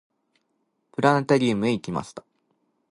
プラネタリウムへ行きました。